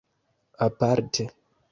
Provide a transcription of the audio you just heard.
aparte